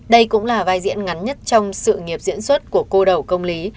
đây cũng là vai diễn ngắn nhất trong sự nghiệp diễn xuất của cô đầu công lý